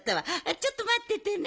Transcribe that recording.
ちょっとまっててね。